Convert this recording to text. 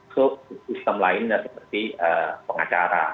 sistem lainnya seperti pengacara